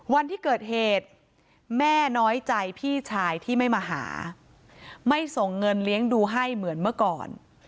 วันที่เกิดเหตุแม่น้อยใจพี่ชายที่ไม่มาหาไม่ส่งเงินเลี้ยงดูให้เหมือนเมื่อก่อน